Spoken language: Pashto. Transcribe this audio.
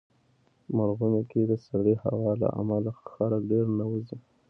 مرغومی کې د سړې هوا له امله خلک ډېر نه وځي.